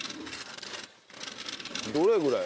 どれぐらい？